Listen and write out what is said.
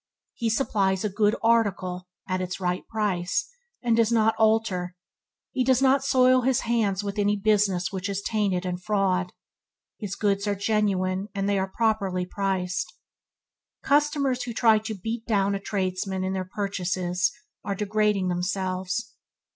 He supplies "a good article" at its right price, and does not alter. He does not soil his hands with any business which is tainted with fraud. His goods are genuine and they are properly priced. Customers who try to "beat down" a tradesman in their purchases are degrading themselves.